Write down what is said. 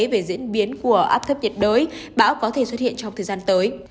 về diễn biến của áp thấp nhiệt đới bão có thể xuất hiện trong thời gian tới